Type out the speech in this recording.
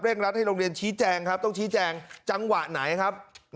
รัฐให้โรงเรียนชี้แจงครับต้องชี้แจงจังหวะไหนครับ